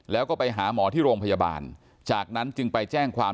แล้วก็ไปหาหมอที่โรงพยาบาลจากนั้นจึงไปแจ้งความ